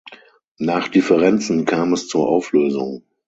Nach Differenzen kam es zur Auflösung.